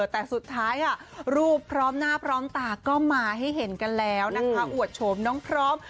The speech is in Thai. แต่สุดท้ายรูปพร้อมหน้าพร้อมตาก็มาให้เห็นกันแล้วนะคะอวดโฉมน้องพร้อม